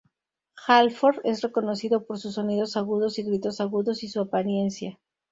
Halford es reconocido por su sonidos agudos y gritos agudos y su apariencia.